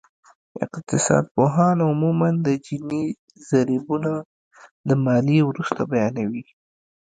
اقتصادپوهان عموماً د جیني ضریبونه د ماليې وروسته بیانوي